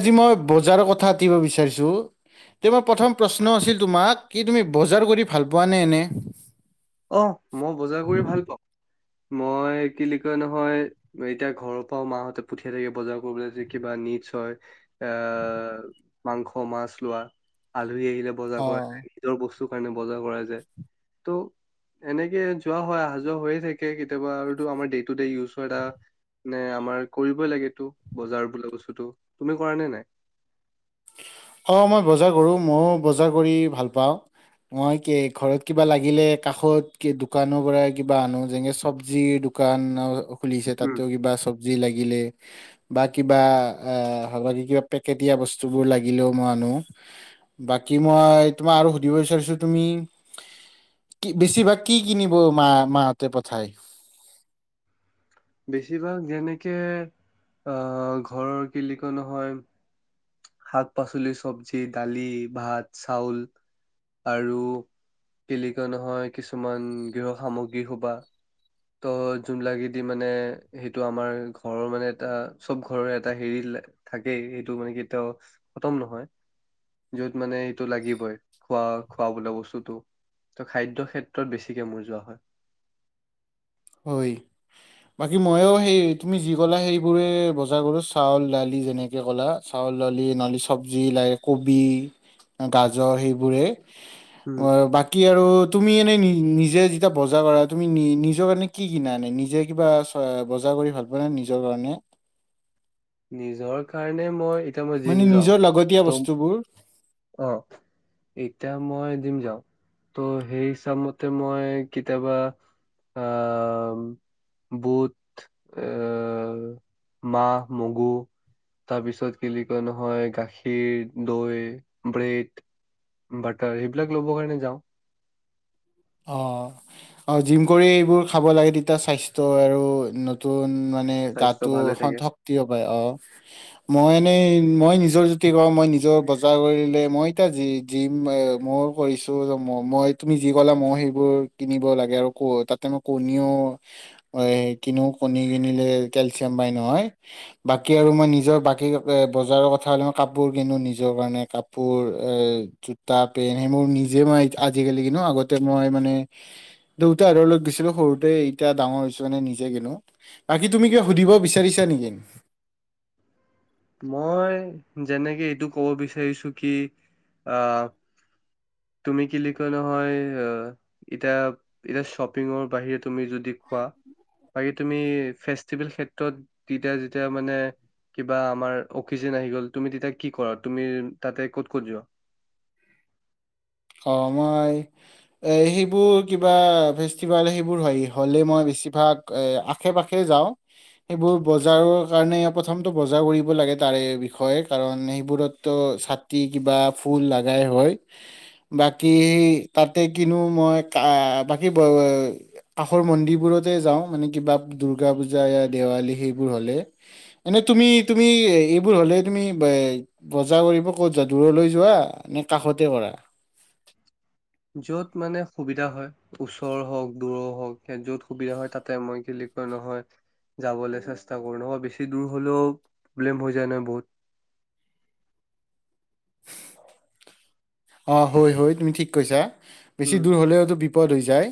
আজি মই বজাৰৰ কথাাতিব বিচাৰিছো তে মই প্ৰথম প্ৰশ্ন আছিল তোম কি তুমি বজাৰ কৰি ভাল পোৱা নে এনে আহ মই বজাৰ কৰি ভাল পাওঁ মই কি বুলি কয় নহয় এতিয়া ঘৰৰ পৰাও মাহতে পঠিয়াই থাকে বজাৰ কৰিবলৈ যে কিবা নিডছ হয় এ মাংস মাছ লোৱা আ ধুৰি আহিলে বজাৰ অ কৰা নিজৰ বস্তু কাৰণে বজাৰ কৰা যায় ত' এনেকে যোৱা হয় অহা যোৱা হৈয়ে থাকে কেতিয়াবা আৰু আমাৰ ডেই টু ড ইউজ এটা মে আমাৰ কৰিবই লাগেতটো বজাৰ বোলা বস্তুটো তুমি কৰা নে নাই অঁ মই বজাৰ কৰোঁ ময়ো বজাৰ কৰি ভাল পাওঁ মই ঘৰত কিবা লাগিলে কাষত দোকানৰ পৰা কিবা আনো যেনেকৈ চব্জিৰ দোকান খুলিছে উম, তাতেও কিবা চব যি লাগিলে বা কিবা আ আ হালধীয়া পেকেটীয়া বস্তু বস্তুবোৰ লাগিলেও মই আনো বাকী মই তোমাক আৰু সুধিব বিচাৰিছো তুমি কি বেছিভাগ কি কিনিব মা মাহতে পঠাই বেছিভাগ যেনেকে আহ ঘৰৰ কি বুলি কয় নহয় শাক পাচলি চব্জি দালি ভাত চাউল আৰু কে বুলি কা নহয় কিছুমান গৃহ সামগ্ৰী সোবা ত' যোনিলাকেদি মানে সেইটো আমাৰ ঘৰৰ মানে এটা চব ঘৰৰ এটা হেৰি থাকেই সেইটো মানে কি এতিয়া খতম নহয় যত মানে এইটো লাগিবই খোৱা খোৱা বল বস্তুটো ত খাদ্যয় ক্ষেত্ৰত বেছিকে মৰ যোৱা হয় হয় বাকী ময়ো সেই তুমি যি ক'লা সেইবোৰে বজাৰ কৰোঁ চাউল দালি যেনেকে ক'লা চাউল দালি নালি চব্জি লাগে কবি গাজৰ সেইবোৰে উম অ বাকী আৰু তুমি এনেই নি নিজে যেতিয়া বজাৰ কৰা তুমি নি নিজক এনে কি কিনা এ নিজে কিবা বজাৰ কৰি ভাল পোৱা নাই নিজৰ কাৰণে নিজৰ কাৰণে মই এতিয়া মই জিম মানে যাওঁ নিজৰ লাগতীয়া ত বস্তুবোৰ অ এতিয়া মই দিম যাও ত' সেই হিচাপ মতে মই কেতিয়াবা আহ বুট এ মাহ মগু তাৰপিছত কি বুলি কয় নহয় গাখীৰ দৈ ব্ৰেড বাটাৰ সেইবিলাক ল'ব কাৰণে যাওঁ অ অ জিম কৰি এইবোৰ খাব লাগে তেতিয়া স্বাস্থ্য আৰু নতুন মান মানে স্বাস্থ্য গাটো ভালে থাকে শক্তি পায় অ মই এনেই মই নিজৰ জুতি কওঁ মই নিজৰ বজাৰ কৰিলে মই এ জিম মই কৰিছো মই তুমি জিম [unintelligible] মই সেইবোৰ কিনিব লাগে আৰু [unintelligible] তাতে মই কণীও এই কিনো কণী কিনিলে কেলচিয়াম পাই নহয়, বাকী আৰু মই নিজৰ বাকী বজাৰৰ কথা হলে মই কাপোৰ কিনো নিজৰ কাৰণে কাপোৰ এ জোতা পেণ্ট সেইবোৰ নিজে মই আজিকালি কিনো আগত মই মানে দেউতাহঁতৰ লগত গৈছিলো সৰুতে এতিয়া ডাঙৰ হৈছো মানে নিজে কিনো, বাকী তুমি কিবা সুধিব বিচাৰিছা নেকি। মই যেনেকে এইটো ক'ব বিচাৰিছো কি অ তুমি কি বুলি কয় নহয় এতিয়া এতিয়া শ্বপিঙৰ বাহিৰে তুমি যদি কোৱা বাকী তুমি ফেষ্টিভেল ক্ষেত্ৰত তেতিয়া যেতিয়া মানে বা আমাৰ অফিচন আহি গ'ল তুমি তেতিয়া কি কৰা তুমি তাতে ক'ত ক'ত যোৱা অঁ, মই এ সেইবোৰ কিবা ফেষ্টিভেল সেইবোৰ হয় হ'লে মই বেছিভাগ এ আশে পাশে যাওঁ, সেইবোৰ বজাৰৰ কাৰণে প্ৰথমটো বজাৰ কৰিব লাগে তাৰে বিষয়ে কাৰণ সেইবোৰতটো ছাতি কিবা ফুল লাগাই হয়। বাকী তাতে কিনো মই ক বাকী কাষৰ মন্দিৰবোৰতে যাওঁ মানে কিবা দূৰ্গা পুজা দেৱালী সেইবোৰ হ'লে এনে তুমি তুমি এইবোৰ হ'লে তুমি বজাৰ কৰিব ক'ত যোৱা দূৰলৈ যোৱা নে কাষতে কৰা যত মানে সুবিধা হয় ওচৰ হওঁক দূৰৰ হওক য'ত সুবিধা হয় তাতে মই কি বুলি কয় নহয় যাবলৈ চেষ্টা কৰো নহয় বেছি দূৰ হলেও প্ৰব্লেম হৈ যায় নহয় বহুত অঁ হয়-হয় তুমি ঠিক কৈছা। বেছি দূৰ উম হলেওতো বিপদ হৈ যায়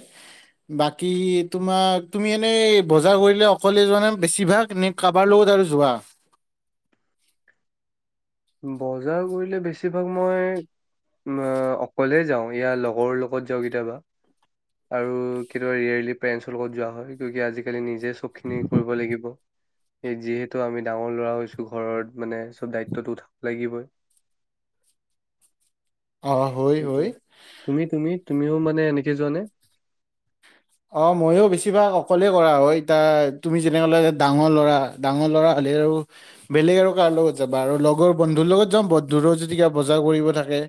বাকী তোমাক তুমি এনেই বজাৰ কৰিলে অকলে যোৱা নাই বেছিভাগ নে কাৰবাৰ লগত আৰু যোৱা বজাৰ কৰিলে বেছিভাগ মই অকলে যাওঁ ইয়াৰ লগৰৰ লগত যাওঁ কেতিয়াবা আৰু কেতিয়াবা ৰিয়লি পেৰেন্টছৰ লগত যোৱা হয় কি আজিকালি নিজ নি যে চব খিনি কৰিব লাগিব এই যিহেতু আমি ডাঙৰ ল'ৰা হৈছো ঘৰত মানে চব দায়িত্বটো থাক লাগিবই অ হয় সেইটোৱ হয় তুমি তুমি তুমিও মানে এনেকে যোৱাানে অ ময়ো বেছিভাগ অকলে কৰা হয় এতিয়া তুমি যেনেক ডাঙৰ লৰা ডাঙৰ লৰা হ'লে আৰু বেলেগ আৰু কাৰ লগত যাবা আৰু লগৰ বন্ধুৰ লগত যওঁ বন্ধুৰো যেদি কিবা বজাৰ কৰিব থাকে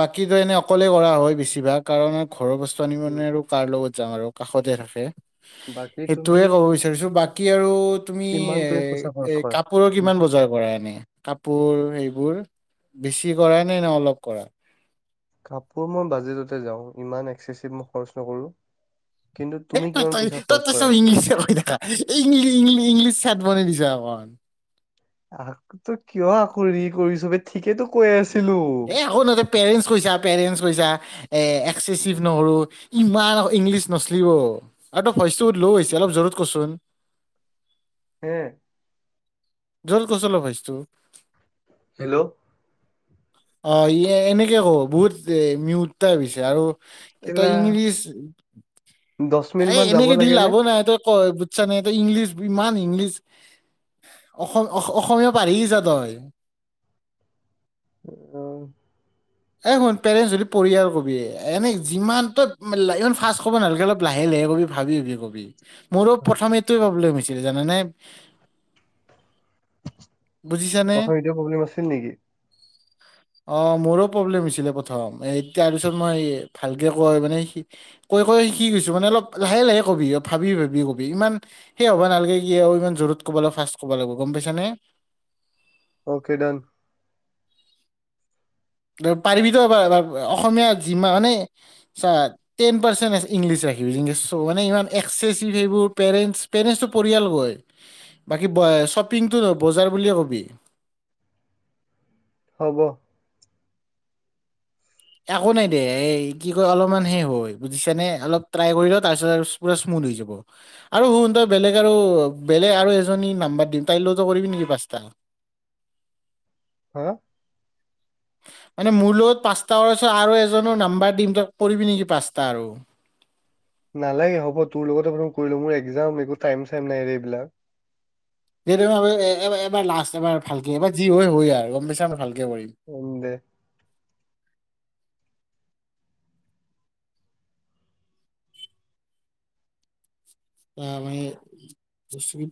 বাকীো এনে অকলে কৰা হয় বেছিভাগ কাৰণ ঘৰৰ বস্তুনিব উম। মানে আৰু কাৰ লগত আমাৰ কাষতে থাকে বাকী তুমি সেইটোয়ে ক'ব বিচাৰিছো বাকী আৰু তুমি কিমান এ তুমি পইচা এ খৰচ কৰা? কাপোৰৰ কিমান বজাৰ কৰা এনে কাপোৰ সেইবোৰ বেছি কৰা [unintelligible] নে অলপ কৰা। কাপোৰ মই বাজেটতে যাওঁ, ইমান এক্সেচিভ মই খৰচ নকৰোঁ। এই তই, তই- তই- তই চব ইংলিছে [unintelligible] ইংলিছ ছেত বনাই দিছা। যৱান আ তো কিয় আাকো কৰিছ বে ঠিকেই তো কৈ আছে এ শো নহতে পেৰেণ্টছ কৈছা পেৰেণ্ট কৈছা এ এক্চেচিভ নহৰো ইমান ইংলিছ নচলিব আৰু ত ভইচটো বহুত ল' হৈছে অলপ জোৰত কচোন। হে জল কচল ভাইছ তো হেল্ল' অ ই এনেকে কব বহুত এ মিউাইিছে আৰু এ কেলা তই ইংলিছ দহ মিনিট এই মান যাব এনেকে দি লাগে নে? লাভ নাই তই কয় বুজছা নাই তই ইংলিছ ইমান ইংলিছ অসমীয়া পঢিছা তই আহ এ শুন পেৰেণ্টছ যদিঢ়ি আৰু কবি এনেই যিমান ত ইমান ফা্ষ্ কব নালে অলপ লাহে লাহে কবি ভাবিিবি কবি মোৰো প্ৰথম এইটোৱে প্ৰব্লেম হৈছে [unintelligible] ককাৰ এতিয়া প্ৰব্লেম আছিল নেকি অ মোৰো প্ৰব্লেম হৈছিলে প্ৰথম তাৰ পিছত মই ভালকে কয় মানে কৈ কৈ শিক গৈছো মানে অলপ লাহে লাহে কবি ভাবি ভাবি কবি ইমান সেই হবা নালাগে কি আৰু ইমান জত কব লিব ফা্ষ কব লিব গম পাইছ নে অ'কে ডন পাৰিবি তো অসমীয়া যিমান মানে টেন পাৰ্চ ইংলিছ ৰাখিবছ মানে ইমান একেচিভ সেইবোৰ পেৰেণ্টছ পেৰেণ্টছটো পৰিয়ালগৈ বাকী শ্বপিংটো নহ বজাৰ বুলিয়ে ক'বি হ'ব একো নাই দে এই কি ক অলপমান হেষ হয় বুজিছ নে অলপটাই কৰি তাৰিছ প স্মুথ হৈ যাব আৰু শই বেলেগ আৰু বেলেগ আৰু এজনী নাম্ব দি তাইলৈত কৰিবি নেকি পচ হা মানে মোৰ লগত পাঁচটা পছত আৰু এজনো নাম্বাৰ দিম তাক পবিি নেকি পাঁচটা আৰু নালাগে হ'ব তোৰ লগত আ কৰিলো মোৰ একজাম একো াইম চাইম নাইৰে এইবিলাক এবাৰ লাষ্ট এবাৰ ভালকে এবাৰ যি হয় হয় আৰু গম পেছ ভালকে কৰিম উম দে ত মানে ব্তুবি